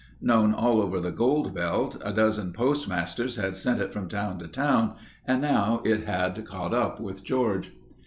Known all over the gold belt, a dozen postmasters had sent it from town to town and now it had caught up with George.